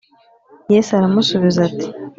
Yesu aramusubiza ati